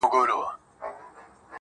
هله به مړ سمه چي ستا له سينکي خاله وځم_